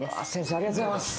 ありがとうございます。